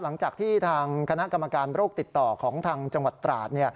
หลังจากที่ทางคณะกรรมการโรคติดต่อของทางจังหวัดตราด